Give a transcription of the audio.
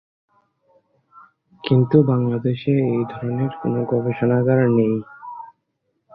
কিন্তু বাংলাদেশে এই ধরনের কোনো গবেষণাগার নেই।